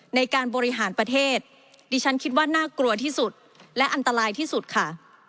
ในการบริหารประเทศดิฉันคิดว่าน่ากลัวที่สุดและอันตรายที่สุดค่ะ